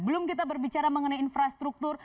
belum kita berbicara mengenai infrastruktur